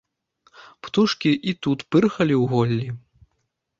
Птушкі і тут пырхалі ў голлі.